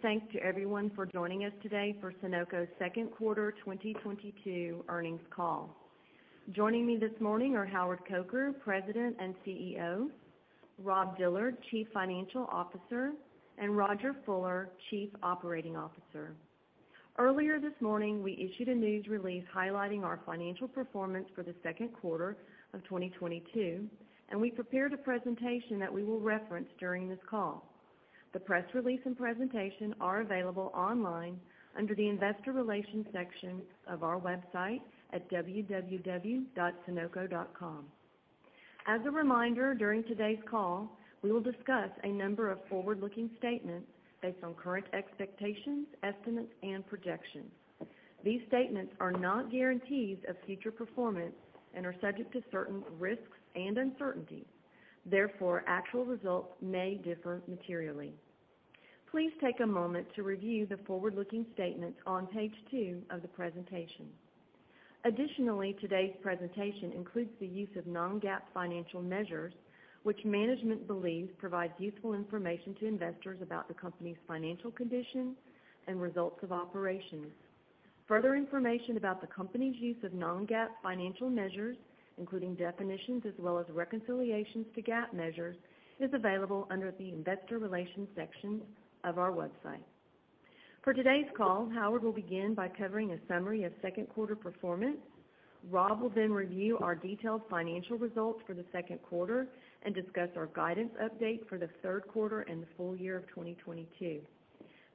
Thanks to everyone for joining us today for Sonoco's second quarter 2022 earnings call. Joining me this morning are Howard Coker, President and CEO, Rob Dillard, Chief Financial Officer, and Rodger Fuller, Chief Operating Officer. Earlier this morning, we issued a news release highlighting our financial performance for the second quarter of 2022, and we prepared a presentation that we will reference during this call. The press release and presentation are available online under the Investor Relations section of our website at www.sonoco.com. As a reminder, during today's call, we will discuss a number of forward-looking statements based on current expectations, estimates, and projections. These statements are not guarantees of future performance and are subject to certain risks and uncertainties. Therefore, actual results may differ materially. Please take a moment to review the forward-looking statements on page two of the presentation. Additionally, today's presentation includes the use of non-GAAP financial measures, which management believes provides useful information to investors about the company's financial condition and results of operations. Further information about the company's use of non-GAAP financial measures, including definitions, as well as reconciliations to GAAP measures, is available under the Investor Relations section of our website. For today's call, Howard will begin by covering a summary of second quarter performance. Rob will then review our detailed financial results for the second quarter and discuss our guidance update for the third quarter and the full year of 2022.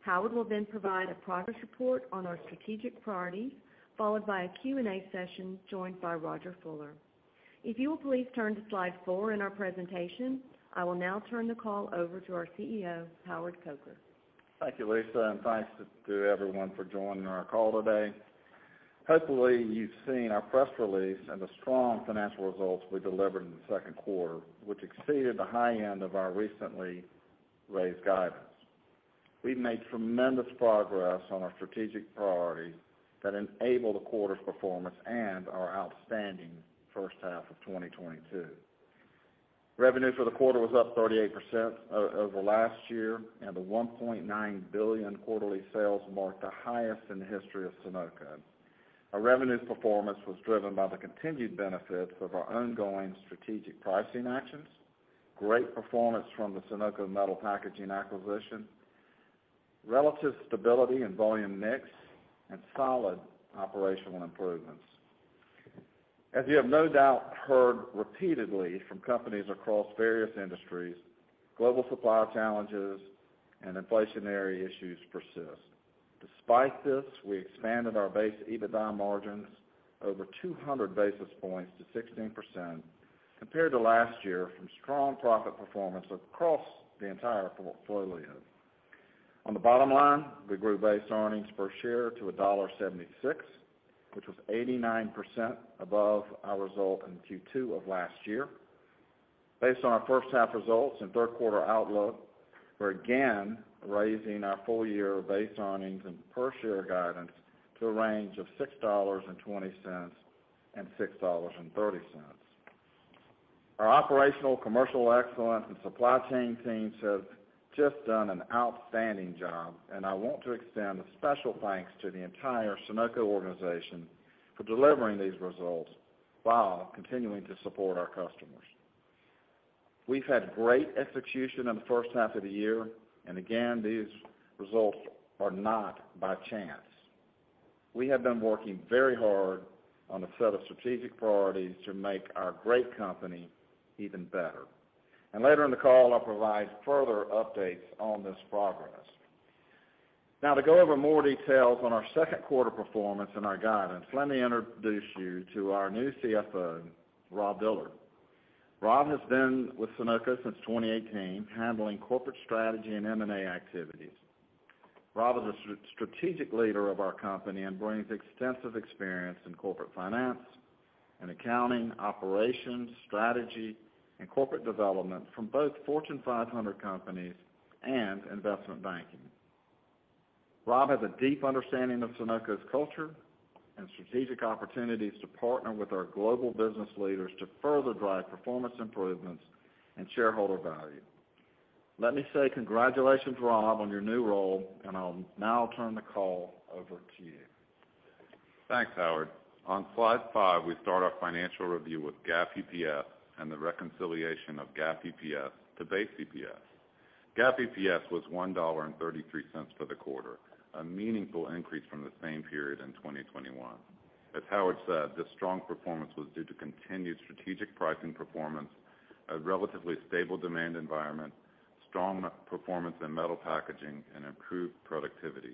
Howard will then provide a progress report on our strategic priorities, followed by a Q&A session joined by Rodger Fuller. If you will please turn to slide four in our presentation, I will now turn the call over to our CEO, Howard Coker. Thank you, Lisa, and thanks to everyone for joining our call today. Hopefully, you've seen our press release and the strong financial results we delivered in the second quarter, which exceeded the high end of our recently raised guidance. We've made tremendous progress on our strategic priorities that enable the quarter's performance and our outstanding first half of 2022. Revenue for the quarter was up 38% over last year, and the $1.9 billion quarterly sales marked the highest in the history of Sonoco. Our revenue performance was driven by the continued benefits of our ongoing strategic pricing actions, great performance from the Sonoco Metal Packaging acquisition, relative stability in volume mix, and solid operational improvements. As you have no doubt heard repeatedly from companies across various industries, global supply challenges and inflationary issues persist. Despite this, we expanded our base EBITDA margins over 200 basis points to 16% compared to last year from strong profit performance across the entire portfolio. On the bottom line, we grew base earnings per share to $1.76, which was 89% above our result in Q2 of last year. Based on our first half results and third quarter outlook, we're again raising our full year base earnings and per share guidance to a range of $6.20-$6.30. Our operational commercial excellence and supply chain teams have just done an outstanding job, and I want to extend a special thanks to the entire Sonoco organization for delivering these results while continuing to support our customers. We've had great execution in the first half of the year, and again, these results are not by chance. We have been working very hard on a set of strategic priorities to make our great company even better. Later in the call, I'll provide further updates on this progress. Now, to go over more details on our second quarter performance and our guidance, let me introduce you to our new CFO, Rob Dillard. Rob has been with Sonoco since 2018, handling corporate strategy and M&A activities. Rob is a strategic leader of our company and brings extensive experience in corporate finance and accounting, operations, strategy, and corporate development from both Fortune 500 companies and investment banking. Rob has a deep understanding of Sonoco's culture and strategic opportunities to partner with our global business leaders to further drive performance improvements and shareholder value. Let me say congratulations, Rob, on your new role, and I'll now turn the call over to you. Thanks, Howard. On slide five, we start our financial review with GAAP EPS and the reconciliation of GAAP EPS to base EPS. GAAP EPS was $1.33 for the quarter, a meaningful increase from the same period in 2021. As Howard said, this strong performance was due to continued strategic pricing performance, a relatively stable demand environment, strong performance in metal packaging, and improved productivity.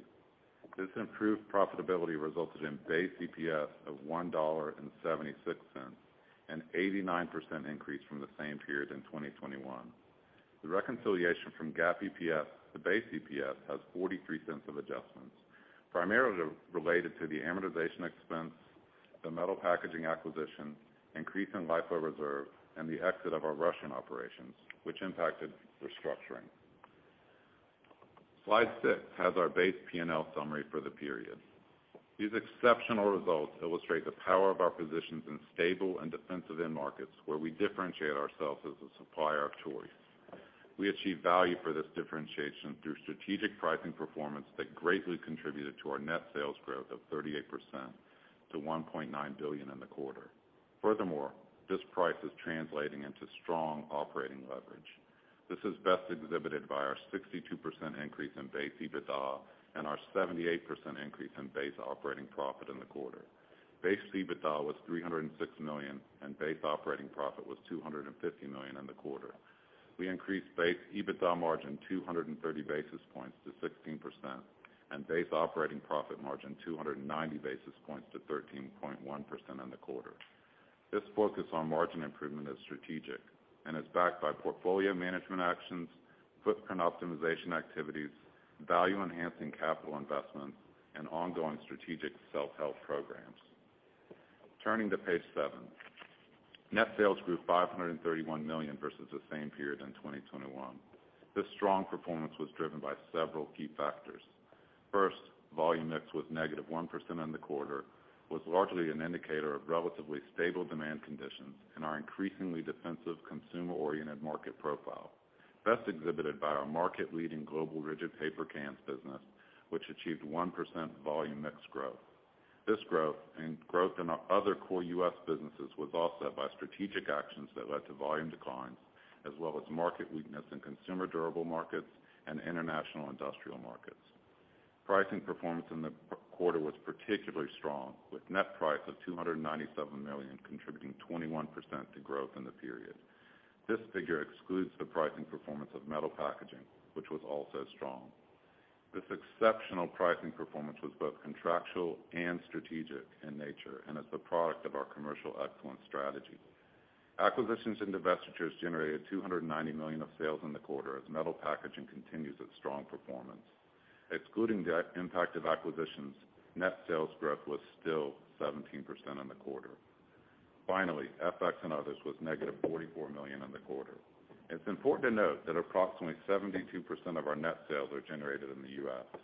This improved profitability resulted in base EPS of $1.76, an 89% increase from the same period in 2021. The reconciliation from GAAP EPS to base EPS has $0.43 of adjustments, primarily related to the amortization expense, the metal packaging acquisition, increase in LIFO reserve, and the exit of our Russian operations, which impacted restructuring. Slide six has our base P&L summary for the period. These exceptional results illustrate the power of our positions in stable and defensive end markets where we differentiate ourselves as a supplier of choice. We achieve value for this differentiation through strategic pricing performance that greatly contributed to our net sales growth of 38% to $1.9 billion in the quarter. Furthermore, this price is translating into strong operating leverage. This is best exhibited by our 62% increase in base EBITDA and our 78% increase in base operating profit in the quarter. Base EBITDA was $306 million, and base operating profit was $250 million in the quarter. We increased base EBITDA margin 230 basis points to 16% and base operating profit margin 290 basis points to 13.1% in the quarter. This focus on margin improvement is strategic and is backed by portfolio management actions, footprint optimization activities, value-enhancing capital investments, and ongoing strategic self-help programs. Turning to page seven. Net sales grew $531 million versus the same period in 2021. This strong performance was driven by several key factors. First, volume mix was -1% in the quarter, largely an indicator of relatively stable demand conditions in our increasingly defensive consumer-oriented market profile, best exhibited by our market-leading global rigid paper cans business, which achieved 1% volume mix growth. This growth and growth in our other core U.S. businesses was offset by strategic actions that led to volume declines, as well as market weakness in consumer durable markets and international industrial markets. Pricing performance in the quarter was particularly strong, with net price of $297 million contributing 21% to growth in the period. This figure excludes the pricing performance of metal packaging, which was also strong. This exceptional pricing performance was both contractual and strategic in nature and is the product of our commercial excellence strategy. Acquisitions and divestitures generated $290 million of sales in the quarter as metal packaging continues its strong performance. Excluding the impact of acquisitions, net sales growth was still 17% in the quarter. Finally, FX and others was negative $44 million in the quarter. It's important to note that approximately 72% of our net sales are generated in the U.S.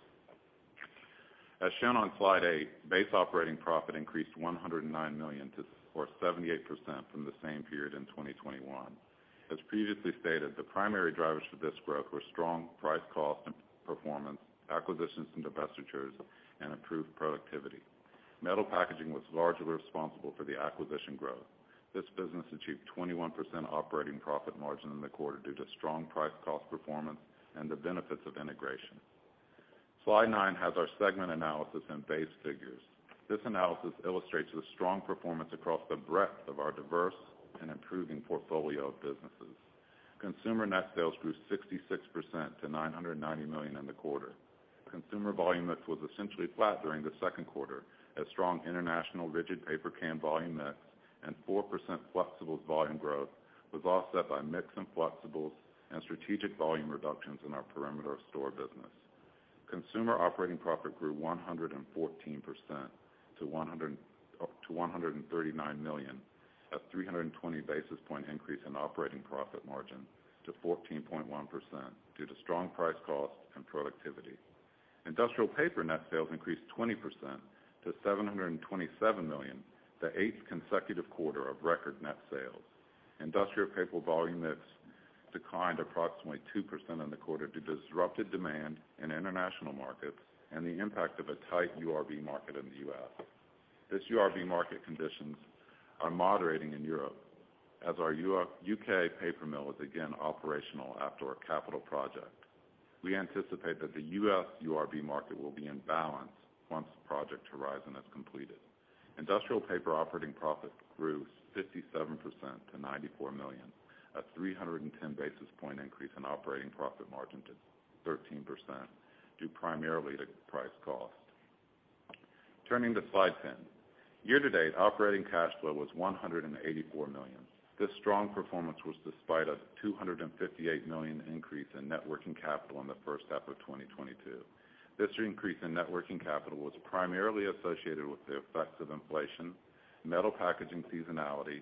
As shown on slide eight, base operating profit increased $109 million or 78% from the same period in 2021. As previously stated, the primary drivers for this growth were strong price cost and performance, acquisitions and divestitures, and improved productivity. Metal Packaging was largely responsible for the acquisition growth. This business achieved 21% operating profit margin in the quarter due to strong price cost performance and the benefits of integration. Slide nine has our segment analysis and base figures. This analysis illustrates the strong performance across the breadth of our diverse and improving portfolio of businesses. Consumer net sales grew 66% to $990 million in the quarter. Consumer volume mix was essentially flat during the second quarter as strong international rigid paper can volume mix and 4% Flexibles volume growth was offset by mix in Flexibles and strategic volume reductions in our perimeter store business. Consumer operating profit grew 114% to $139 million, a 320 basis point increase in operating profit margin to 14.1% due to strong price cost and productivity. Industrial paper net sales increased 20% to $727 million, the eighth consecutive quarter of record net sales. Industrial paper volume mix declined approximately 2% in the quarter due to disrupted demand in international markets and the impact of a tight URB market in the U.S. These URB market conditions are moderating in Europe as our U.K. paper mill is again operational after our capital project. We anticipate that the U.S. URB market will be in balance once Project Horizon is completed. Industrial paper operating profit grew 57% to $94 million, a 310 basis point increase in operating profit margin to 13% due primarily to price/cost. Turning to slide 10. Year-to-date operating cash flow was $184 million. This strong performance was despite a $258 million increase in net working capital in the first half of 2022. This increase in net working capital was primarily associated with the effects of inflation, Metal Packaging seasonality,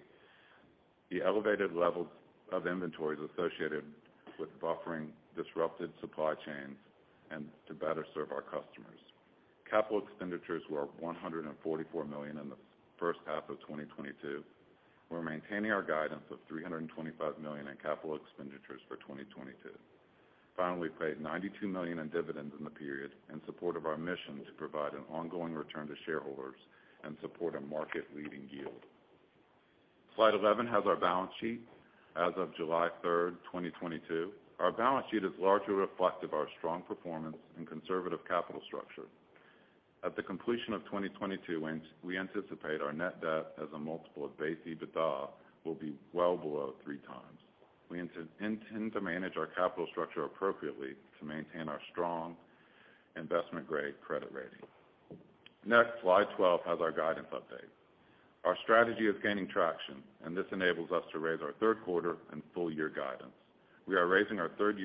the elevated levels of inventories associated with buffering disrupted supply chains, and to better serve our customers. Capital expenditures were $144 million in the first half of 2022. We're maintaining our guidance of $325 million in capital expenditures for 2022. Finally, we paid $92 million in dividends in the period in support of our mission to provide an ongoing return to shareholders and support a market-leading yield. Slide 11 has our balance sheet as of July 3rd, 2022. Our balance sheet is largely reflective of our strong performance and conservative capital structure. At the completion of 2022, we anticipate our net debt as a multiple of base EBITDA will be well below 3x. We intend to manage our capital structure appropriately to maintain our strong investment grade credit rating. Next, Slide 12 has our guidance update. Our strategy is gaining traction, and this enables us to raise our third quarter and full year guidance. We are raising our third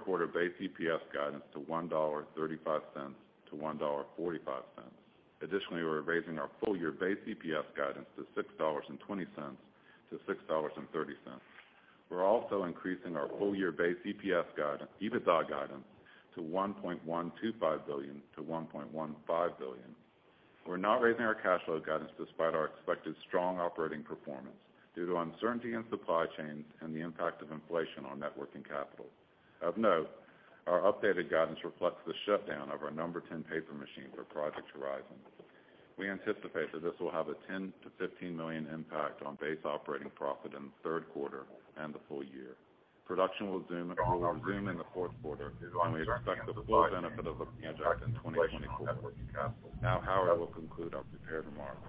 quarter base EPS guidance to $1.35-$1.45. Additionally, we're raising our full-year base EPS guidance to $6.20-$6.30. We're also increasing our full-year base EBITDA guidance to $1.125 billion-$1.15 billion. We're not raising our cash flow guidance despite our expected strong operating performance due to uncertainty in supply chains and the impact of inflation on net working capital. Of note, our updated guidance reflects the shutdown of our number 10 paper machine for Project Horizon. We anticipate that this will have a $10 million-$15 million impact on base operating profit in the third quarter and the full year. Production will resume in the fourth quarter, and we expect the full benefit of the project in 2024. Now Howard will conclude our prepared remarks.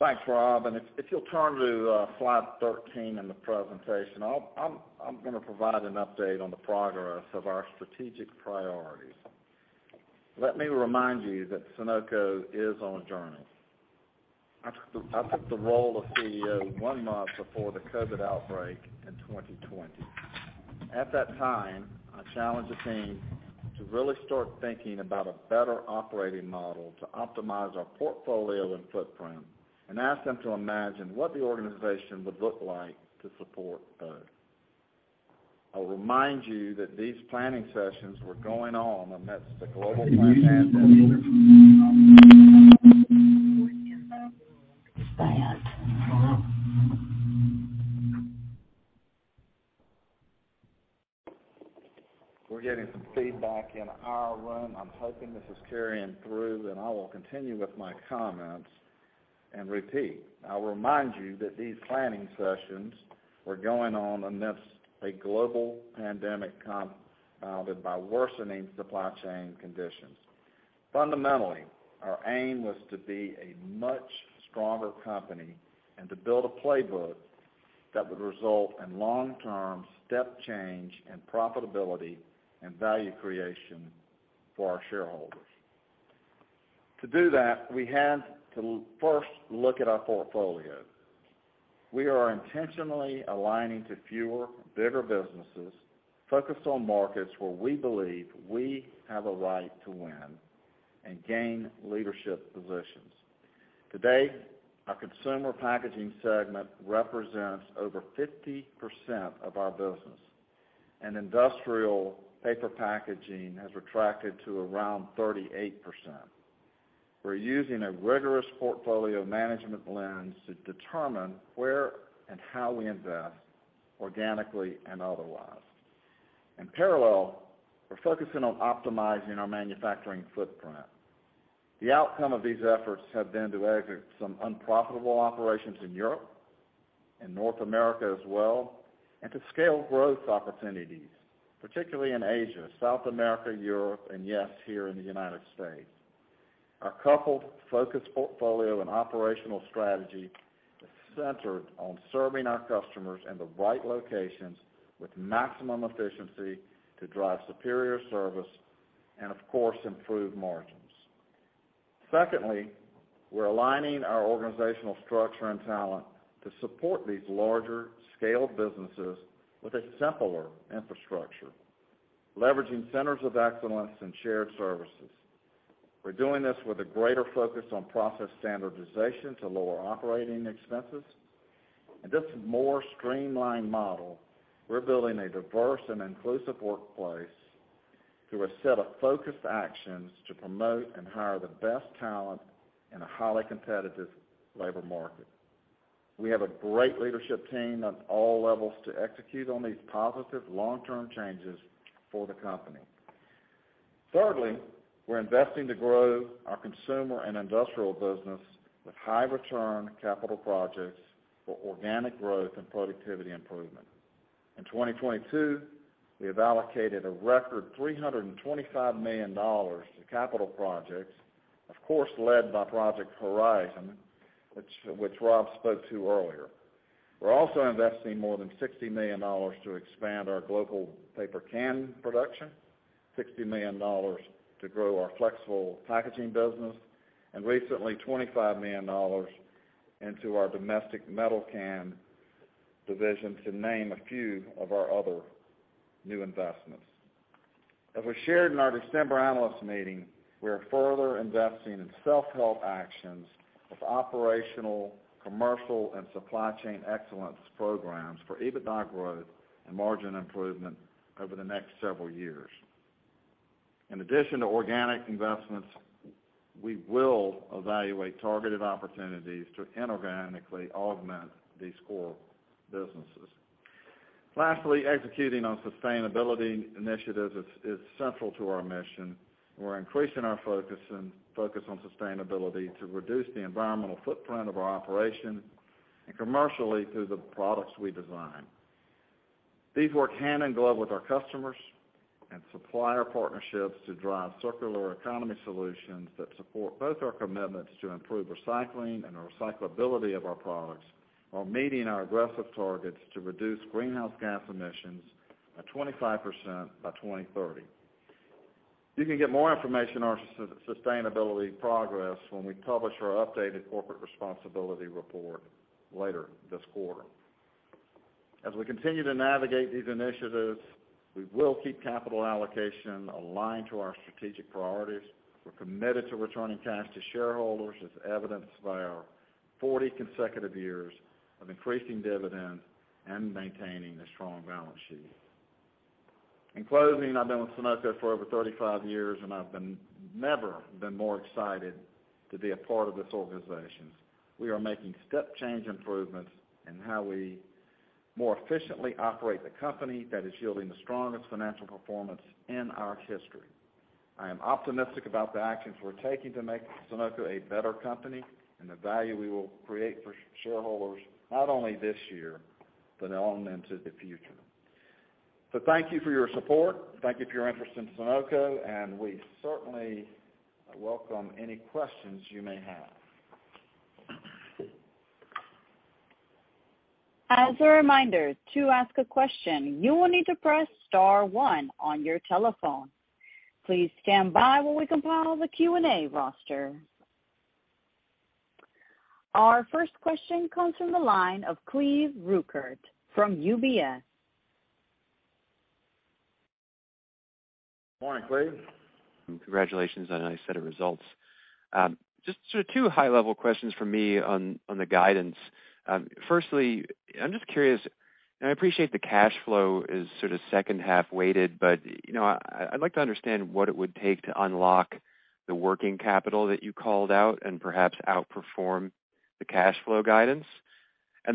Thanks, Rob, and if you'll turn to slide 13 in the presentation, I'm gonna provide an update on the progress of our strategic priorities. Let me remind you that Sonoco is on a journey. I took the role of CEO one month before the COVID outbreak in 2020. At that time, I challenged the team to really start thinking about a better operating model to optimize our portfolio and footprint and asked them to imagine what the organization would look like to support both. I'll remind you that these planning sessions were going on amidst a global pandemic compounded by worsening supply chain conditions. Fundamentally, our aim was to be a much stronger company and to build a playbook that would result in long-term step change and profitability and value creation for our shareholders. To do that, we had to first look at our portfolio. We are intentionally aligning to fewer, bigger businesses, focused on markets where we believe we have a right to win and gain leadership positions. Today, our consumer packaging segment represents over 50% of our business, and industrial paper packaging has retracted to around 38%. We're using a rigorous portfolio management lens to determine where and how we invest organically and otherwise. In parallel, we're focusing on optimizing our manufacturing footprint. The outcome of these efforts have been to exit some unprofitable operations in Europe and North America as well, and to scale growth opportunities, particularly in Asia, South America, Europe, and yes, here in the United States. Our coupled focus, portfolio, and operational strategy is centered on serving our customers in the right locations with maximum efficiency to drive superior service and, of course, improve margins. Secondly, we're aligning our organizational structure and talent to support these larger scaled businesses with a simpler infrastructure, leveraging centers of excellence and shared services. We're doing this with a greater focus on process standardization to lower operating expenses. In this more streamlined model, we're building a diverse and inclusive workplace through a set of focused actions to promote and hire the best talent in a highly competitive labor market. We have a great leadership team at all levels to execute on these positive long-term changes for the company. Thirdly, we're investing to grow our consumer and industrial business with high return capital projects for organic growth and productivity improvement. In 2022, we have allocated a record $325 million to capital projects, of course, led by Project Horizon, which Rob spoke to earlier. We're also investing more than $60 million to expand our global paper can production, $60 million to grow our flexible packaging business, and recently, $25 million into our domestic metal can division, to name a few of our other new investments. As we shared in our December analyst meeting, we are further investing in self-help actions with operational, commercial, and supply chain excellence programs for EBITDA growth and margin improvement over the next several years. In addition to organic investments, we will evaluate targeted opportunities to inorganically augment these core businesses. Lastly, executing on sustainability initiatives is central to our mission. We're increasing our focus on sustainability to reduce the environmental footprint of our operation and commercially through the products we design. These work hand in glove with our customers and supplier partnerships to drive circular economy solutions that support both our commitments to improve recycling and the recyclability of our products while meeting our aggressive targets to reduce greenhouse gas emissions at 25% by 2030. You can get more information on our sustainability progress when we publish our updated corporate responsibility report later this quarter. As we continue to navigate these initiatives, we will keep capital allocation aligned to our strategic priorities. We're committed to returning cash to shareholders as evidenced by our 40 consecutive years of increasing dividends and maintaining a strong balance sheet. In closing, I've been with Sonoco for over 35 years, and I've never been more excited to be a part of this organization. We are making step change improvements in how we more efficiently operate the company that is yielding the strongest financial performance in our history. I am optimistic about the actions we're taking to make Sonoco a better company and the value we will create for shareholders, not only this year, but on into the future. Thank you for your support. Thank you for your interest in Sonoco, and we certainly welcome any questions you may have. As a reminder, to ask a question, you will need to press star one on your telephone. Please stand by while we compile the Q&A roster. Our first question comes from the line of Cleve Rueckert from UBS. Morning, Cleve. Congratulations on a nice set of results. Just sort of two high-level questions from me on the guidance. Firstly, I'm just curious, and I appreciate the cash flow is sort of second half weighted, but you know, I'd like to understand what it would take to unlock the working capital that you called out and perhaps outperform the cash flow guidance.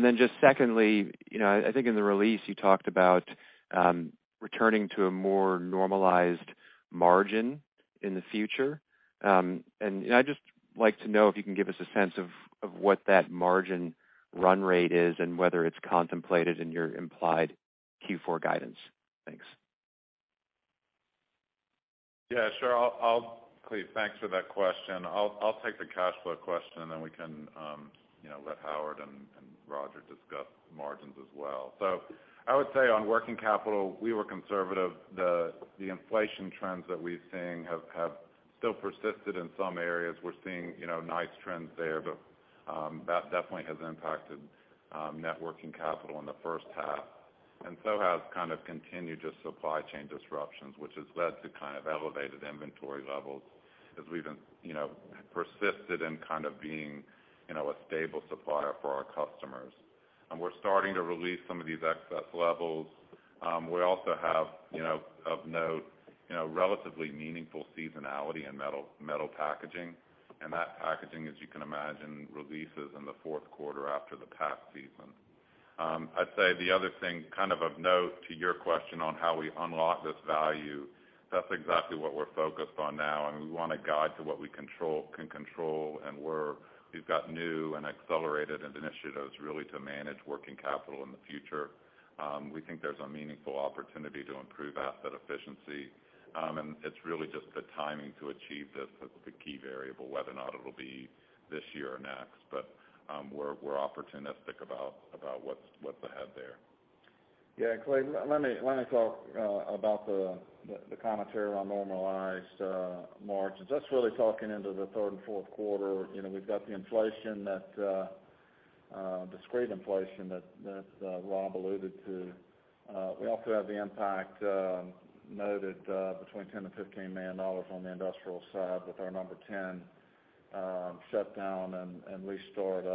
Then just secondly, you know, I think in the release you talked about returning to a more normalized margin in the future. I'd just like to know if you can give us a sense of what that margin run rate is and whether it's contemplated in your implied Q4 guidance. Thanks. Yeah, sure. Cleve, thanks for that question. I'll take the cash flow question, and then we can let Howard and Rodger discuss margins as well. I would say on working capital, we were conservative. The inflation trends that we're seeing have still persisted in some areas. We're seeing nice trends there, but that definitely has impacted net working capital in the first half, and so has kind of continued just supply chain disruptions, which has led to kind of elevated inventory levels as we've been persistent in kind of being a stable supplier for our customers. We're starting to release some of these excess levels. We also have of note relatively meaningful seasonality in Metal Packaging. That packaging, as you can imagine, releases in the fourth quarter after the pack season. I'd say the other thing kind of note to your question on how we unlock this value, that's exactly what we're focused on now, and we wanna guide to what we can control, and we've got new and accelerated initiatives really to manage working capital in the future. We think there's a meaningful opportunity to improve asset efficiency. And it's really just the timing to achieve this that's the key variable, whether or not it'll be this year or next. We're opportunistic about what's ahead there. Yeah. Cleve, let me talk about the commentary around normalized margins. That's really taking into the third and fourth quarter. You know, we've got the inflation, that discrete inflation that Rob alluded to. We also have the impact noted between $10 million-$15 million on the industrial side with our number 10 shutdown and restart.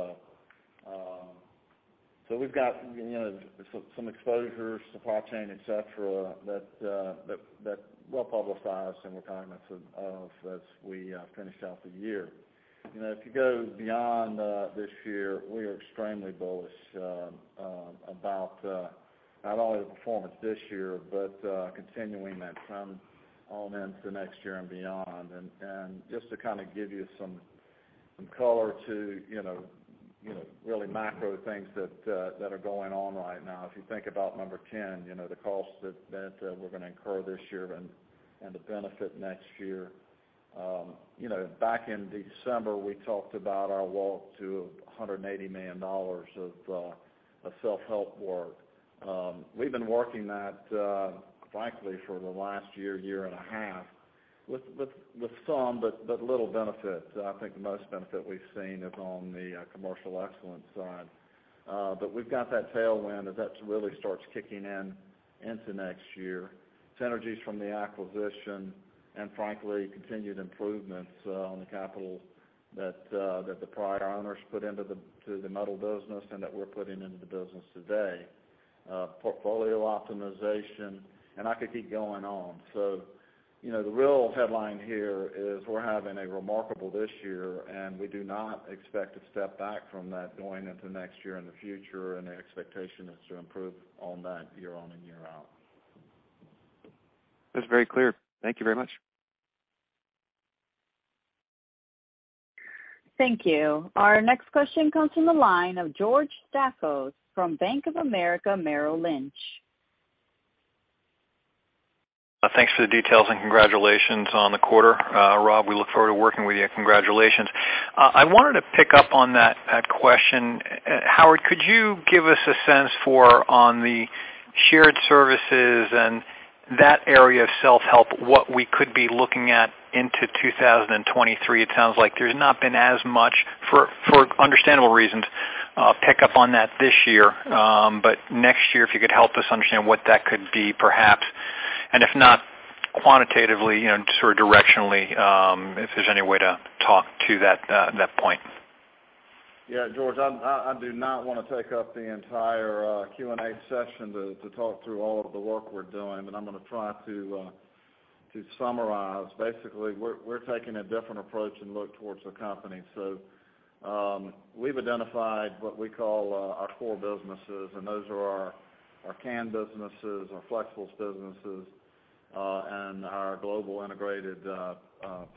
So we've got, you know, some exposures, supply chain, et cetera, that well publicized and we're cognizant of as we finish out the year. You know, if you go beyond this year, we are extremely bullish about not only the performance this year, but continuing that trend on into next year and beyond. Just to kinda give you some color to, you know, really macro things that are going on right now. If you think about number 10, you know, the costs that we're gonna incur this year and the benefit next year. You know, back in December, we talked about our walk to $180 million of self-help work. We've been working that, frankly, for the last year and a half with some but little benefit. I think the most benefit we've seen is on the commercial excellence side. We've got that tailwind that really starts kicking in to next year. Synergies from the acquisition and frankly, continued improvements on the capital that the prior owners put into the metal business and that we're putting into the business today. Portfolio optimization, and I could keep going on. You know, the real headline here is we're having a remarkable year this year, and we do not expect to step back from that going into next year or in the future. The expectation is to improve on that year in and year out. That's very clear. Thank you very much. Thank you. Our next question comes from the line of George Staphos from Bank of America Merrill Lynch. Thanks for the details and congratulations on the quarter. Rob, we look forward to working with you. Congratulations. I wanted to pick up on that question. Howard, could you give us a sense of the shared services and that area of self-help, what we could be looking at into 2023. It sounds like there's not been as much, for understandable reasons, pick up on that this year. Next year, if you could help us understand what that could be, perhaps, and if not quantitatively, you know, just sort of directionally, if there's any way to talk to that point. Yeah, George, I do not want to take up the entire Q&A session to talk through all of the work we're doing, but I'm gonna try to summarize. Basically, we're taking a different approach and outlook towards the company. We've identified what we call our core businesses, and those are our can businesses, our flexibles businesses, and our global integrated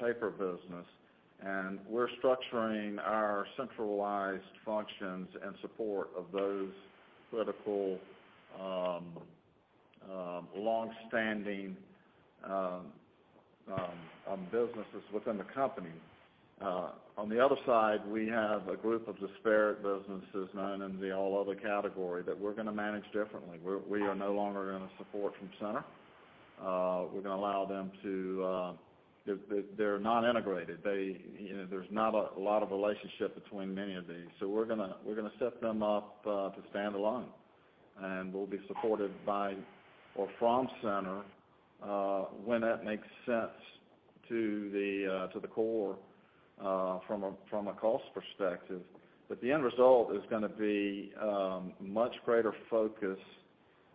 paper business. We're structuring our centralized functions in support of those critical longstanding businesses within the company. On the other side, we have a group of disparate businesses known in the all other category that we're gonna manage differently. We are no longer gonna support from center. We're gonna allow them to. They're not integrated. There, you know, there's not a lot of relationship between many of these. We're gonna set them up to stand alone. We'll be supported by our centers when that makes sense to the core from a cost perspective. The end result is gonna be much greater focus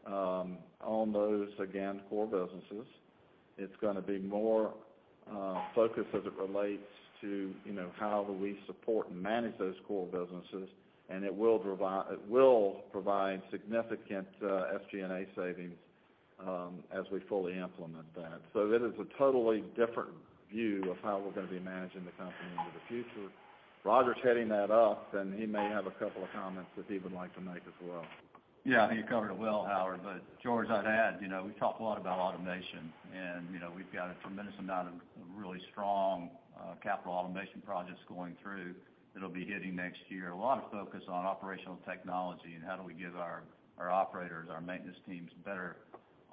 on those, again, core businesses. It's gonna be more focus as it relates to, you know, how do we support and manage those core businesses, and it will provide significant SG&A savings as we fully implement that. It is a totally different view of how we're gonna be managing the company into the future. Rodger's heading that up, and he may have a couple of comments that he would like to make as well. Yeah, I think you covered it well, Howard. But George, I'd add, you know, we talk a lot about automation. You know, we've got a tremendous amount of really strong capital automation projects going through that'll be hitting next year. A lot of focus on operational technology and how do we give our operators, our maintenance teams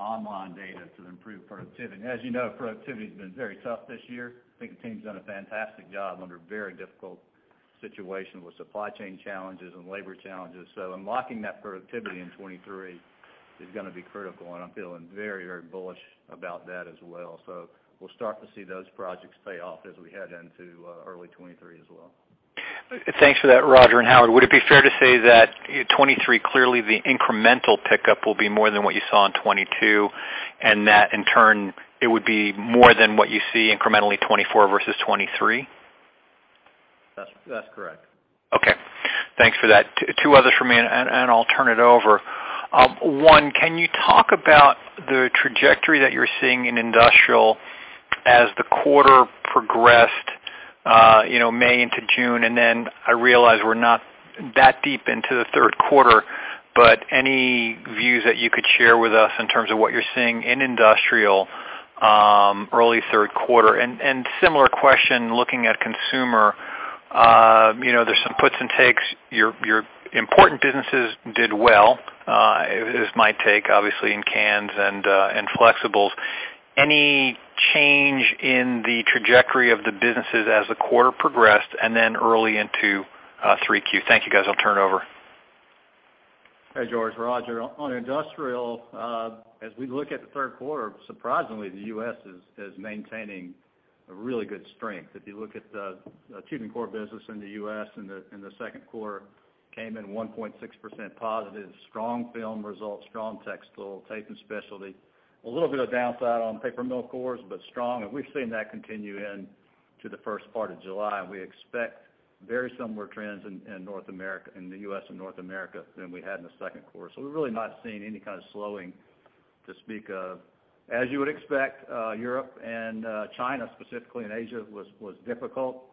better online data to improve productivity. As you know, productivity's been very tough this year. I think the team's done a fantastic job under a very difficult situation with supply chain challenges and labor challenges. Unlocking that productivity in 2023 is gonna be critical, and I'm feeling very, very bullish about that as well. We'll start to see those projects pay off as we head into early 2023 as well. Thanks for that, Rodger and Howard. Would it be fair to say that, you know, 2023, clearly the incremental pickup will be more than what you saw in 2022, and that, in turn, it would be more than what you see incrementally 2024 versus 2023? That's correct. Okay. Thanks for that. Two others from me, and I'll turn it over. One, can you talk about the trajectory that you're seeing in Industrial as the quarter progressed, you know, May into June? Then I realize we're not that deep into the third quarter, but any views that you could share with us in terms of what you're seeing in Industrial, early third quarter. Similar question looking at consumer, you know, there's some puts and takes. Your important businesses did well, is my take, obviously in cans and flexibles. Any chnge in the trajectory of the businesses as the quarter progressed and then early into 3Q? Thank you, guys. I'll turn it over. Hey, George, Rodger. On industrial, as we look at the third quarter, surprisingly, the U.S. is maintaining a really good strength. If you look at the tube and core business in the U.S. in the second quarter, came in 1.6%+. Strong film results, strong textile, tape and specialty. A little bit of downside on paper mill cores, but strong. We've seen that continue into the first part of July, and we expect very similar trends in North America, in the U.S. and North America than we had in the second quarter. We're really not seeing any kind of slowing to speak of. As you would expect, Europe and China, specifically in Asia, was difficult.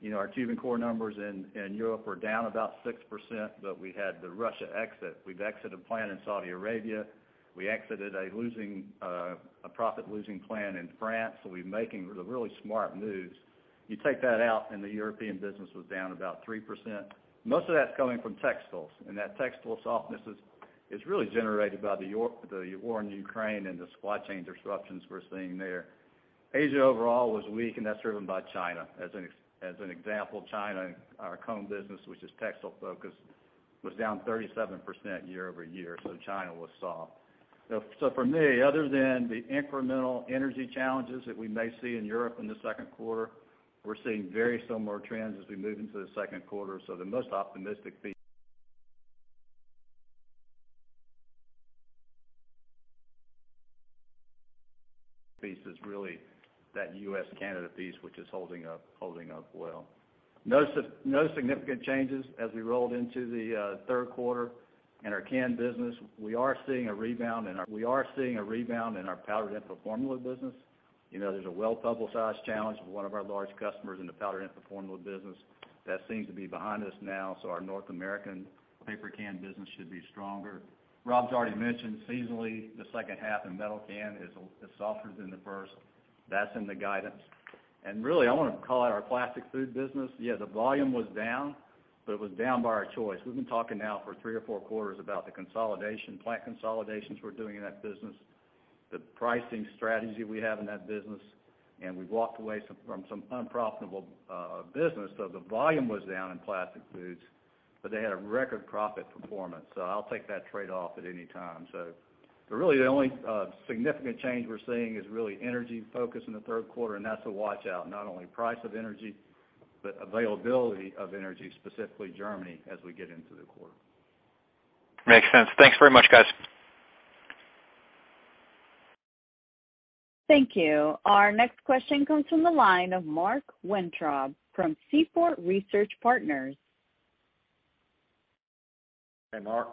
You know, our tube and core numbers in Europe were down about 6%, but we had the Russia exit. We've exited a plant in Saudi Arabia. We exited a losing, a profit-losing plant in France, so we're making the really smart moves. You take that out, and the European business was down about 3%. Most of that's coming from textiles, and that textile softness is really generated by the war in Ukraine and the supply chain disruptions we're seeing there. Asia overall was weak, and that's driven by China. As an example, China, our cone business, which is textile-focused, was down 37% year-over-year. China was soft. For me, other than the incremental energy challenges that we may see in Europe in the second quarter, we're seeing very similar trends as we move into the second quarter. The most optimistic piece is really that U.S., Canada piece, which is holding up well. No significant changes as we rolled into the third quarter in our can business. We are seeing a rebound in our powdered infant formula business. You know, there's a well-publicized challenge with one of our large customers in the powdered infant formula business. That seems to be behind us now, so our North American paper can business should be stronger. Rob's already mentioned seasonally the second half in metal can is softer than the first. That's in the guidance. I want to call out our plastic food business. Yeah, the volume was down, but it was down by our choice. We've been talking now for three or four quarters about the consolidation, plant consolidations we're doing in that business, the pricing strategy we have in that business, and we've walked away from some unprofitable business. The volume was down in plastic foods, but they had a record profit performance. I'll take that trade-off at any time. But really, the only significant change we're seeing is really energy costs in the third quarter, and that's a watch-out, not only price of energy, but availability of energy, specifically Germany, as we get into the quarter. Makes sense. Thanks very much, guys. Thank you. Our next question comes from the line of Mark Weintraub from Seaport Research Partners. Hey, Mark.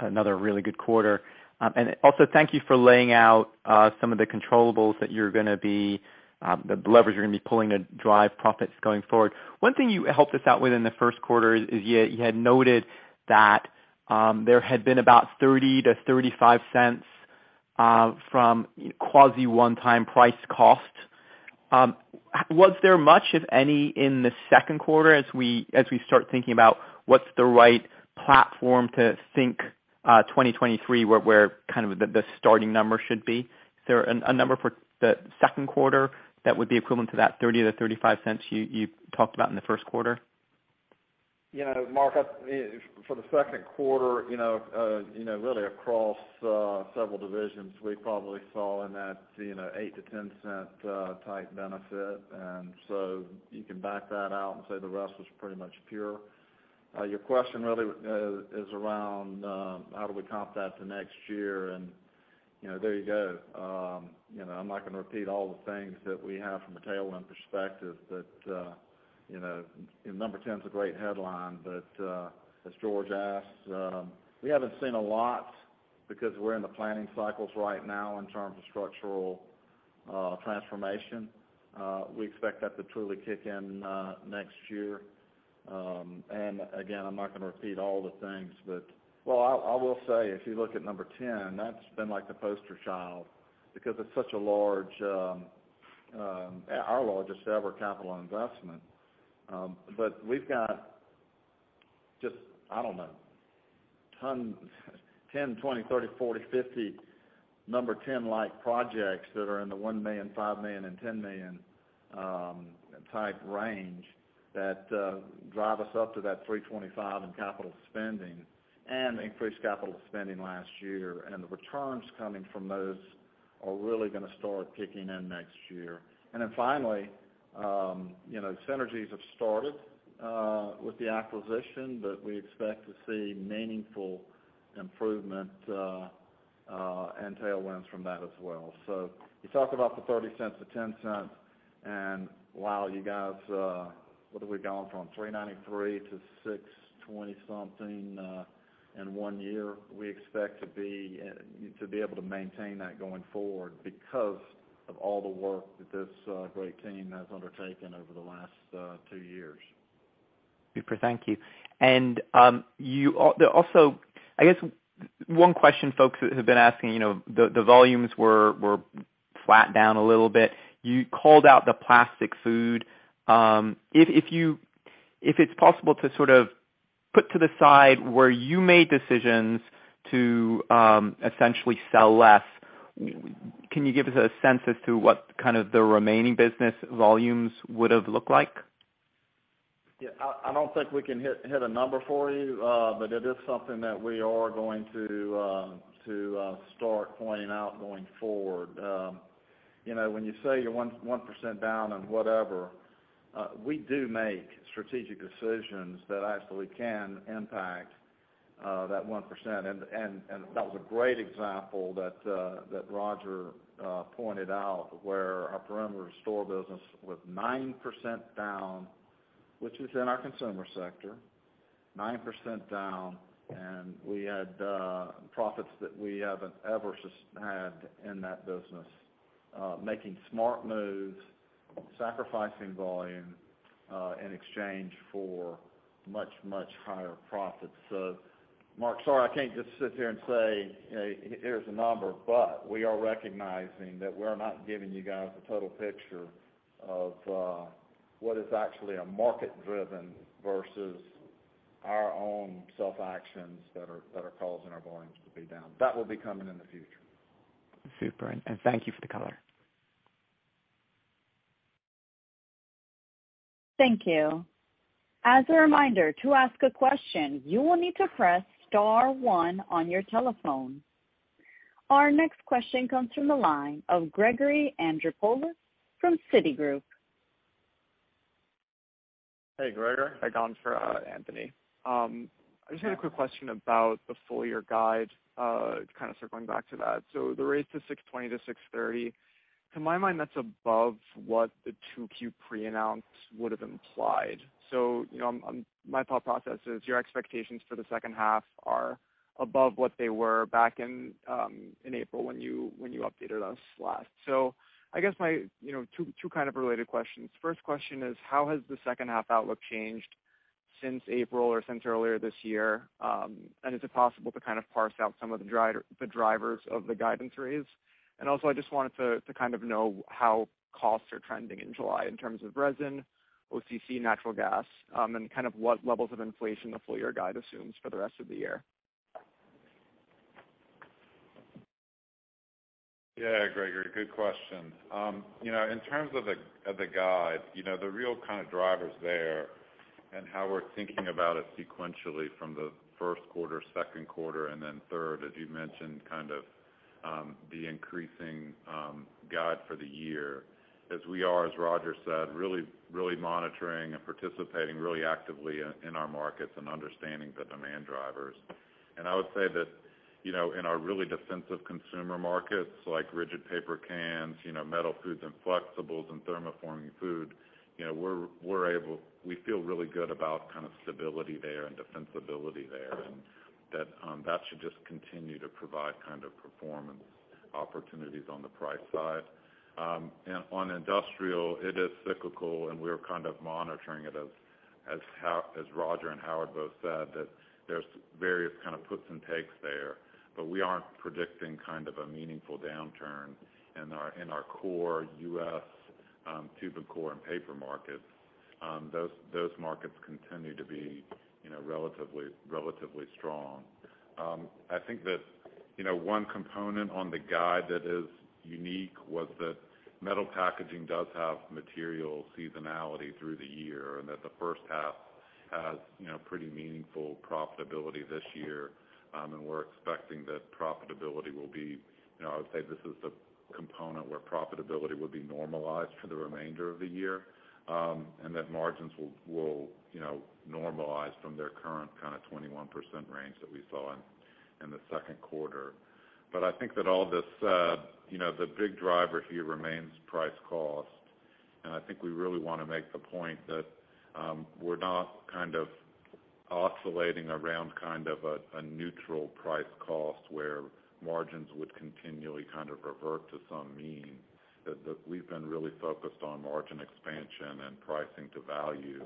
Another really good quarter. Also thank you for laying out some of the controllables that you're gonna be the levers you're gonna be pulling to drive profits going forward. One thing you helped us out with in the first quarter is you had noted that there had been about $0.30-$0.35 from quasi one-time price cost. Was there much, if any, in the second quarter as we start thinking about what's the right platform to think 2023, where kind of the starting number should be? Is there a number for the second quarter that would be equivalent to that $0.30-$0.35 you talked about in the first quarter? You know, Mark, for the second quarter, you know, really across several divisions, we probably saw in that $0.08-$0.10 type benefit. You can back that out and say the rest was pretty much pure. Your question really is around how do we comp that to next year? You know, there you go. You know, I'm not gonna repeat all the things that we have from a tailwind perspective that and number 10's a great headline. As George asked, we haven't seen a lot because we're in the planning cycles right now in terms of structural transformation. We expect that to truly kick in next year. Again, I'm not gonna repeat all the things, but well, I will say, if you look at number 10, that's been like the poster child because it's such a large, our largest ever capital investment. We've got just, I don't know, 10, 20, 30, 40, 50 number 10-like projects that are in the $1 million, $5 million, and $10 million type range that drive us up to that $325 million in capital spending and increased capital spending last year. The returns coming from those are really gonna start kicking in next year. Finally, you know, synergies have started with the acquisition, but we expect to see meaningful improvement and tailwinds from that as well. You talk about the $0.30-$0.10, and while you guys, what are we going from? $3.93 to $6.20 something, in one year. We expect to be able to maintain that going forward because of all the work that this great team has undertaken over the last two years. Super. Thank you. You also, I guess one question folks have been asking, you know, the volumes were flat down a little bit. You called out the plastic food. If it's possible to sort of put to the side where you made decisions to essentially sell less, can you give us a sense as to what kind of the remaining business volumes would have looked like? Yeah. I don't think we can hit a number for you, but it is something that we are going to start pointing out going forward. You know, when you say you're 1% down and whatever, we do make strategic decisions that actually can impact that 1%. That was a great example that Rodger pointed out where our perimeter store business was 9% down, which is in our consumer sector, 9% down, and we had profits that we haven't ever just had in that business, making smart moves, sacrificing volume, in exchange for much, much higher profits. Mark, sorry, I can't just sit here and say, you know, here's a number, but we are recognizing that we're not giving you guys the total picture of what is actually a market driven versus our own self-actions that are causing our volumes to be down. That will be coming in the future. Super. Thank you for the color. Thank you. As a reminder, to ask a question, you will need to press star one on your telephone. Our next question comes from the line of Gregory from Citigroup. Hey, Gregory. Hi, Greg on for Anthony. I just had a quick question about the full year guide, kind of circling back to that. The range $620-$630, to my mind, that's above what the 2Q pre-announce would have implied. You know, my thought process is your expectations for the second half are above what they were back in in April when you updated us last. I guess my, you know, two kind of related questions. First question is, how has the second half outlook changed? Since April or since earlier this year. Is it possible to kind of parse out some of the drivers of the guidance raise? Also, I just wanted to kind of know how costs are trending in July in terms of resin, OCC, natural gas, and kind of what levels of inflation the full year guide assumes for the rest of the year. Yeah, Gregory, good question. You know, in terms of the guide, you know, the real kind of drivers there and how we're thinking about it sequentially from the first quarter, second quarter and then third, as you mentioned, kind of the increasing guide for the year as we are, as Rodger said, really monitoring and participating really actively in our markets and understanding the demand drivers. I would say that, you know, in our really defensive consumer markets, like rigid paper cans, you know, metal foods and flexibles and thermoforming food, you know, we feel really good about kind of stability there and defensibility there, and that should just continue to provide kind of performance opportunities on the price side. On industrial, it is cyclical, and we're kind of monitoring it. Rodger and Howard both said that there's various kind of puts and takes there, but we aren't predicting kind of a meaningful downturn in our core U.S. tube and core and paper markets. Those markets continue to be you know relatively strong. I think that you know one component on the guide that is unique was that metal packaging does have material seasonality through the year, and that the first half has you know pretty meaningful profitability this year. We're expecting that profitability will be you know I would say this is the component where profitability will be normalized for the remainder of the year, and that margins will you know normalize from their current kind of 21% range that we saw in the second quarter. I think that all this, you know, the big driver here remains price cost. I think we really wanna make the point that we're not kind of oscillating around kind of a neutral price cost where margins would continually kind of revert to some mean. That we've been really focused on margin expansion and pricing to value.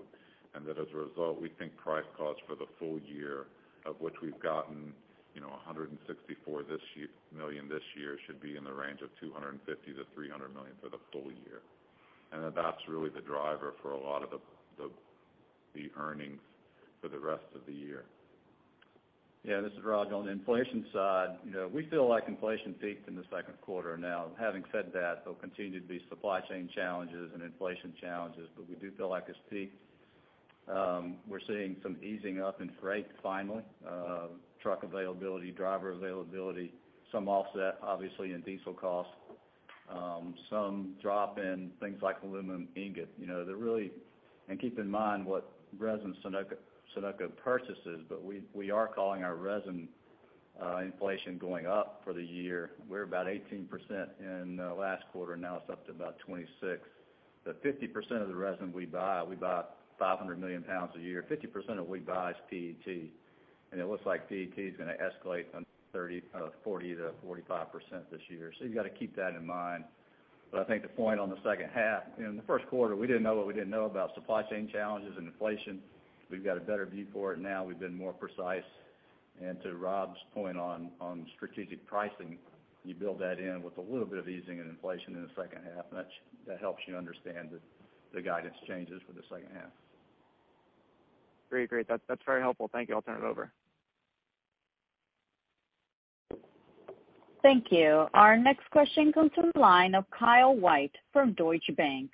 As a result, we think price cost for the full year, of which we've gotten, you know, $164 million this year, should be in the range of $250 million-$300 million for the full year. That's really the driver for a lot of the earnings for the rest of the year. Yeah, this is Rodger. On the inflation side, you know, we feel like inflation peaked in the second quarter. Now having said that, there'll continue to be supply chain challenges and inflation challenges, but we do feel like it's peaked. We're seeing some easing up in freight finally, truck availability, driver availability, some offset obviously in diesel costs, some drop in things like aluminum ingot. You know, and keep in mind what resin Sonoco purchases, but we are calling our resin inflation going up for the year. We're about 18% in last quarter, now it's up to about 26%. But 50% of the resin we buy, we buy 500 million pounds a year. 50% of what we buy is PET, and it looks like PET is gonna escalate from 40% to 45% this year. You've got to keep that in mind. I think the point on the second half, you know, in the first quarter, we didn't know what we didn't know about supply chain challenges and inflation. We've got a better view for it now. We've been more precise. To Rob's point on strategic pricing, you build that in with a little bit of easing and inflation in the second half, and that helps you understand the guidance changes for the second half. Great. That, that's very helpful. Thank you. I'll turn it over. Thank you. Our next question comes from the line of Kyle White from Deutsche Bank.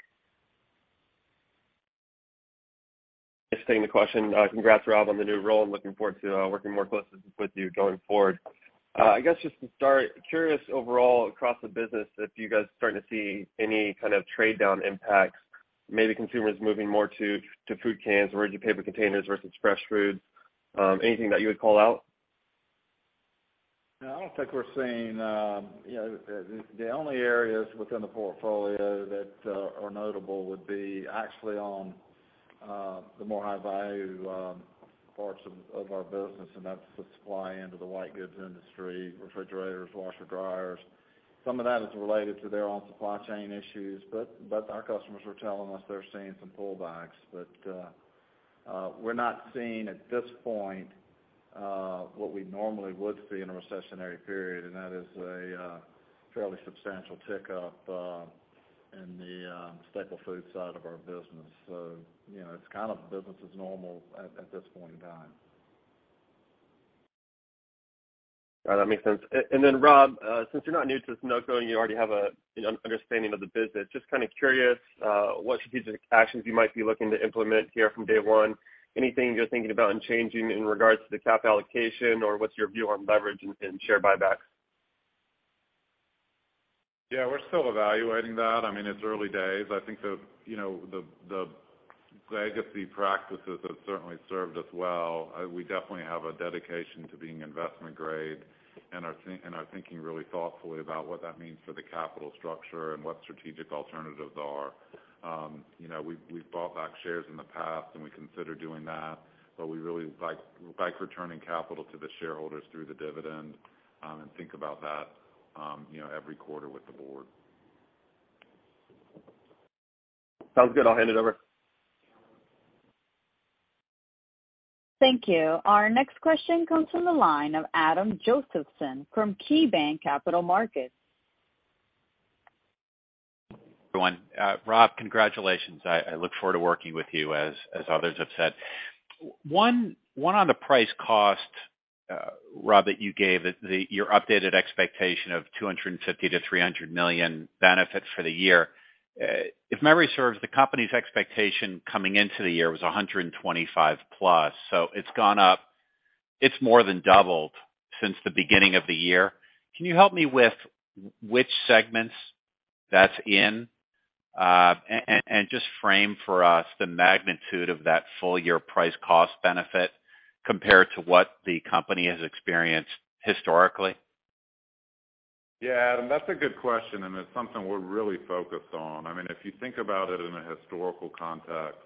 Just taking the question. Congrats, Rob, on the new role. I'm looking forward to working more closely with you going forward. I guess just to start, curious overall across the business, if you guys are starting to see any kind of trade down impacts, maybe consumers moving more to food cans, rigid paper containers versus fresh foods, anything that you would call out? No, I don't think we're seeing, you know, the only areas within the portfolio that are notable would be actually on the more high value parts of our business, and that's the supply end of the white goods industry, refrigerators, washer, dryers. Some of that is related to their own supply chain issues, but our customers are telling us they're seeing some pullbacks. We're not seeing at this point what we normally would see in a recessionary period, and that is a fairly substantial tick up in the staple food side of our business. You know, it's kind of business as normal at this point in time. All right. That makes sense. Rob, since you're not new to Sonoco and you already have an understanding of the business, just kind of curious, what strategic actions you might be looking to implement here from day one. Anything you're thinking about changing in regards to the cap allocation or what's your view on leverage in share buybacks? Yeah, we're still evaluating that. I mean, it's early days. I think legacy practices have certainly served us well. We definitely have a dedication to being investment grade and are thinking really thoughtfully about what that means for the capital structure and what strategic alternatives are. We've bought back shares in the past, and we consider doing that, but we really like returning capital to the shareholders through the dividend and think about that every quarter with the board. Sounds good. I'll hand it over. Thank you. Our next question comes from the line of Adam Josephson from KeyBanc Capital Markets. Everyone. Rob, congratulations. I look forward to working with you as others have said. One, on the price/cost, Rob, that you gave at your updated expectation of $250 million-$300 million benefits for the year. If memory serves, the company's expectation coming into the year was $125 million+. It's gone up. It's more than doubled since the beginning of the year. Can you help me with which segments that's in, and just frame for us the magnitude of that full year price/cost benefit compared to what the company has experienced historically? Yeah, Adam, that's a good question, and it's something we're really focused on. I mean, if you think about it in a historical context,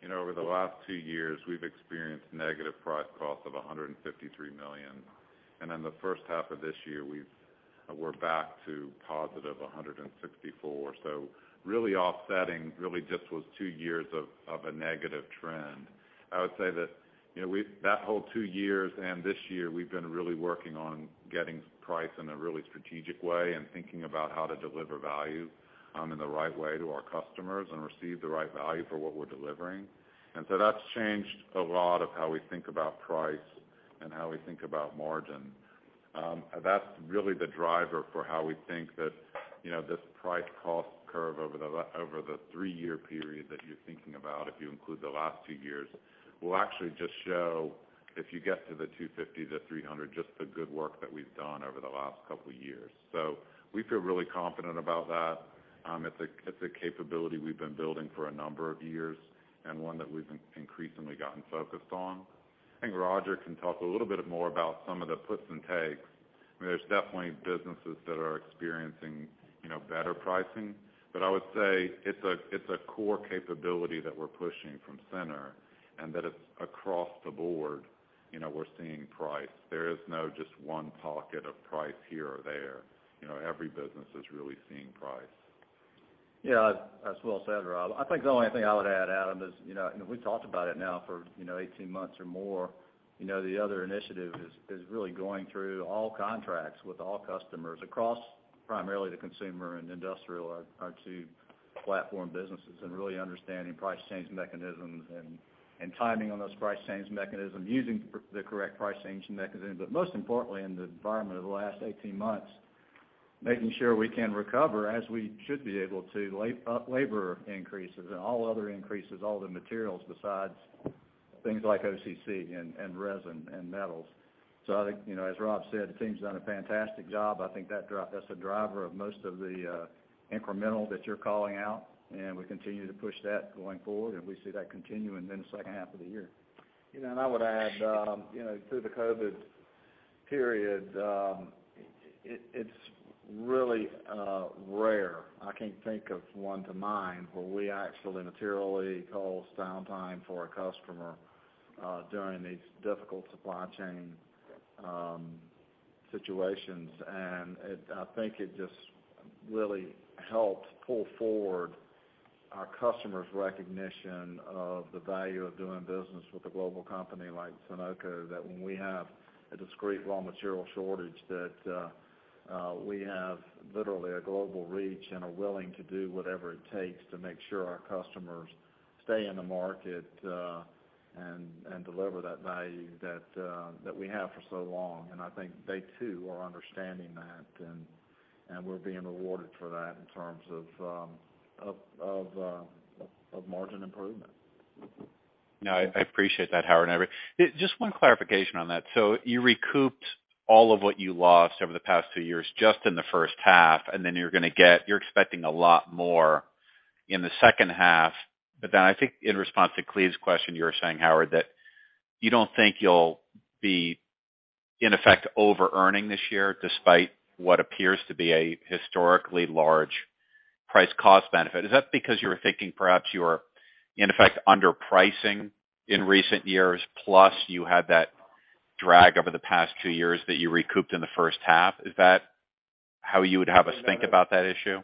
you know, over the last two years, we've experienced negative price cost of $153 million. In the first half of this year, we're back to +$164 million. Really offsetting just was two years of a negative trend. I would say that, you know, that whole two years and this year, we've been really working on getting price in a really strategic way and thinking about how to deliver value in the right way to our customers and receive the right value for what we're delivering. That's changed a lot of how we think about price and how we think about margin. That's really the driver for how we think that, you know, this price cost curve over the three-year period that you're thinking about, if you include the last two years, will actually just show if you get to the $250 million-$300 million, just the good work that we've done over the last couple of years. We feel really confident about that. It's a capability we've been building for a number of years and one that we've increasingly gotten focused on. I think Rodger can talk a little bit more about some of the puts and takes. I mean, there's definitely businesses that are experiencing, you know, better pricing. I would say it's a core capability that we're pushing from center and that it's across the board, you know, we're seeing price. There is no just one pocket of price here or there. You know, every business is really seeing price. Yeah. That's well said, Rob. I think the only thing I would add, Adam, is, you know, we've talked about it now for, you know, 18 months or more, you know, the other initiative is really going through all contracts with all customers across primarily the consumer and industrial are two platform businesses, and really understanding price change mechanisms and timing on those price change mechanism, using the correct price change mechanism. Most importantly, in the environment of the last 18 months, making sure we can recover as we should be able to labor increases and all other increases, all the materials besides things like OCC and resin and metals. I think, you know, as Rob said, the team's done a fantastic job. I think that's a driver of most of the incremental that you're calling out, and we continue to push that going forward, and we see that continuing in the second half of the year. You know, I would add, through the COVID period, it's really rare. I can't think of one that comes to mind where we actually materially called downtime for a customer during these difficult supply chain situations. I think it just really helped pull forward our customers' recognition of the value of doing business with a global company like Sonoco, that when we have a discrete raw material shortage, we have literally a global reach and are willing to do whatever it takes to make sure our customers stay in the market and deliver that value that we have for so long. I think they too are understanding that and we're being rewarded for that in terms of margin improvement. No, I appreciate that, Howard. Just one clarification on that. You recouped all of what you lost over the past two years just in the first half, and then you're gonna get, you're expecting a lot more in the second half. I think in response to Cleve's question, you were saying, Howard, that you don't think you'll be in effect over earning this year despite what appears to be a historically large price cost benefit. Is that because you're thinking perhaps you're in effect underpricing in recent years, plus you had that drag over the past two years that you recouped in the first half? Is that how you would have us think about that issue?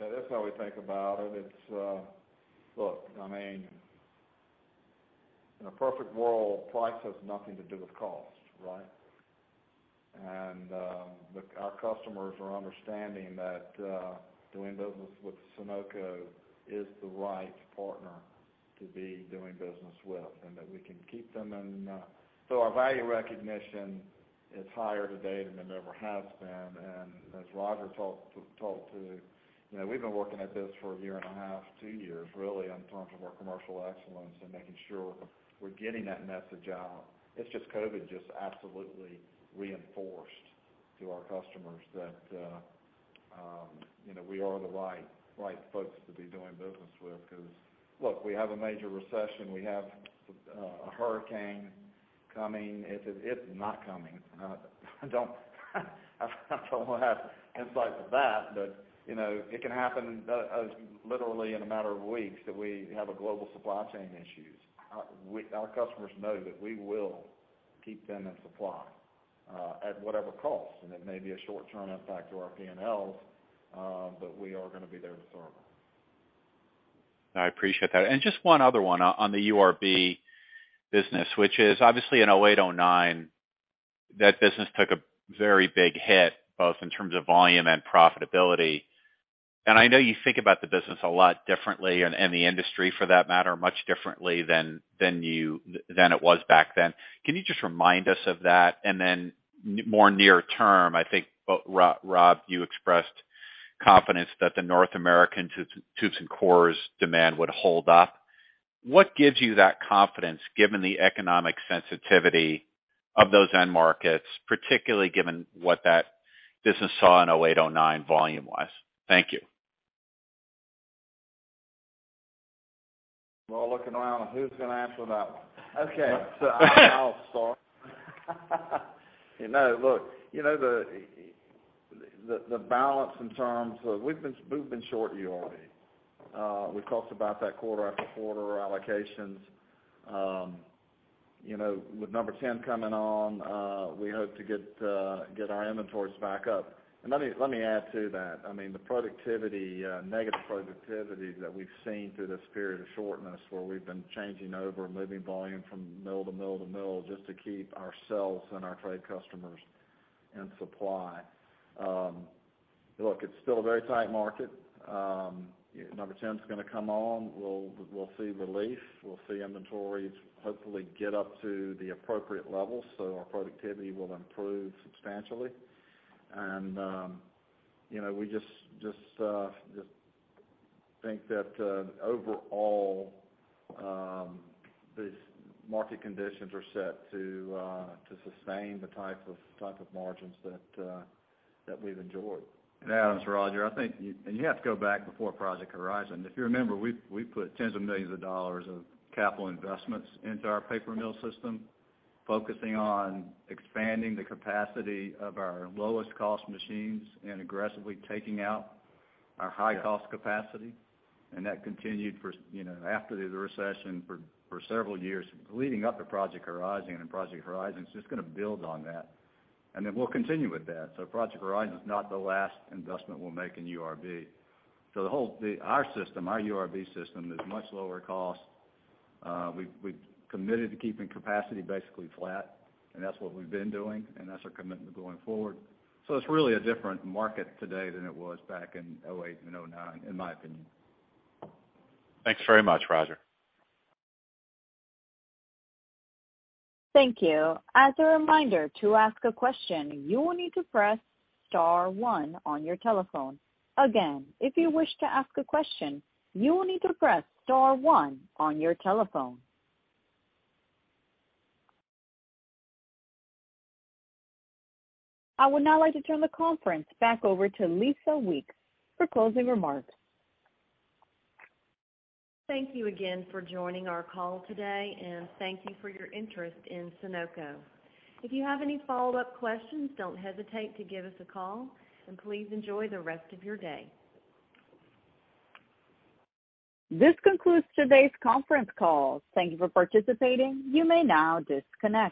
That is how we think about it. Look, I mean, in a perfect world, price has nothing to do with cost, right? Our customers are understanding that doing business with Sonoco is the right partner to be doing business with, and that we can keep them in. Our value recognition is higher today than it ever has been. As Rodger talked to, you know, we've been working at this for a year and a half, two years, really, in terms of our commercial excellence and making sure we're getting that message out. It's just COVID absolutely reinforced to our customers that, you know, we are the right folks to be doing business with because, look, we have a major recession. We have a hurricane coming. It's not coming. I don't have insight to that, but you know, it can happen literally in a matter of weeks that we have global supply chain issues. Our customers know that we will keep them in supply at whatever cost. It may be a short-term impact to our P&Ls, but we are gonna be there to serve them. I appreciate that. Just one other one on the URB business, which is obviously in 2008, 2009, that business took a very big hit, both in terms of volume and profitability. I know you think about the business a lot differently and the industry for that matter, much differently than it was back then. Can you just remind us of that? Then more near term, I think, Rob, you expressed confidence that the North American tubes and cores demand would hold up. What gives you that confidence given the economic sensitivity of those end markets, particularly given what that business saw in 2008, 2009 volume wise? Thank you. We're all looking around on who's gonna answer that one. Okay. I'll start. You know, look, you know, the balance in terms of we've been short URB. We've talked about that quarter after quarter allocations. You know, with number 10 coming on, we hope to get our inventories back up. Let me add to that. I mean, the productivity, negative productivity that we've seen through this period of shortness where we've been changing over, moving volume from mill to mill to mill just to keep ourselves and our trade customers in supply. Look, it's still a very tight market. Number 10 is gonna come on. We'll see relief. We'll see inventories hopefully get up to the appropriate levels so our productivity will improve substantially. You know, we just think that overall these market conditions are set to sustain the type of margins that we've enjoyed. Adam, Rodger, I think you have to go back before Project Horizon. If you remember, we put tens of millions of dollars of capital investments into our paper mill system, focusing on expanding the capacity of our lowest cost machines and aggressively taking out our high cost capacity. That continued you know after the recession for several years leading up to Project Horizon. Project Horizon is just gonna build on that. Then we'll continue with that. Project Horizon is not the last investment we'll make in URB. The whole our system, our URB system is much lower cost. We've committed to keeping capacity basically flat, and that's what we've been doing, and that's our commitment going forward. It's really a different market today than it was back in 2008 and 2009, in my opinion. Thanks very much, Rodger. Thank you. As a reminder, to ask a question, you will need to press star one on your telephone. Again, if you wish to ask a question, you will need to press star one on your telephone. I would now like to turn the conference back over to Lisa Weeks for closing remarks. Thank you again for joining our call today, and thank you for your interest in Sonoco. If you have any follow-up questions, don't hesitate to give us a call, and please enjoy the rest of your day. This concludes today's conference call. Thank you for participating. You may now disconnect.